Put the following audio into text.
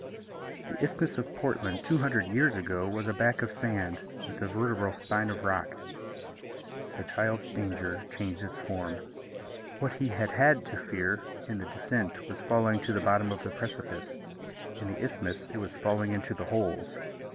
The Isthmus of Portland two hundred years ago was a back of sand, with a vertebral spine of rock. The child's danger changed its form. What he had had to fear in the descent was falling to the bottom of the precipice; in the isthmus, it was falling into the holes.